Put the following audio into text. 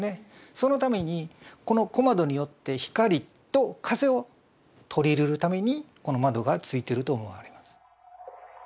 そのためにこの小窓によって光と風を取り入れるためにこの窓が付いてると思われます。